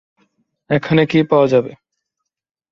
এখানে কি পাওয়া যাবে?